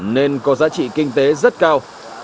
nên có giá trị kinh tế rất cao